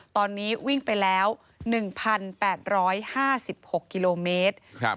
ตอนนี้วิ่งไปแล้ว๑๘๕๖กิโลเมตร